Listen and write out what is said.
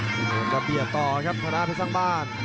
แล้วก็เบียดต่อครับภาระเพชรสร้างบ้าน